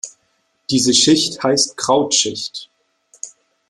Diese Schicht heißt „Krautschicht“.